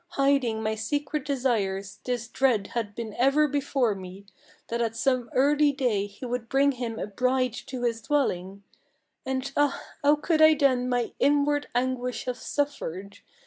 Hiding my secret desires, this dread had been ever before me, That at some early day he would bring him a bride to his dwelling; And ah, how could I then my inward anguish have suffered!